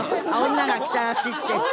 「女が来たらしい」。